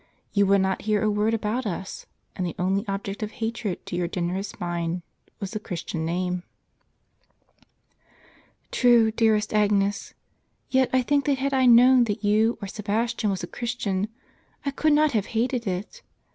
You would not hear a word about us ; and the only object of hatred to your generous mind was the Christian name." "True, dearest Agnes; yet I think that had I known that you, or Sebastian, was a Christian, I could not have hated it.